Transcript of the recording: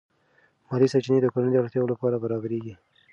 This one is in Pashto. مالی سرچینې د کورنۍ د اړتیاوو لپاره برابرېږي.